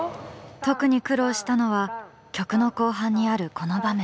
特に苦労したのは曲の後半にあるこの場面。